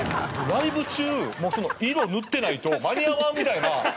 ライブ中その色塗ってないと間に合わんみたいな。